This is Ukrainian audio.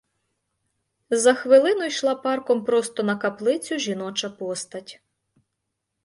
За хвилину йшла парком просто на каплицю жіноча постать.